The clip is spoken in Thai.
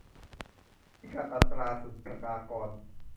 พิกัดอัตราศุลกากร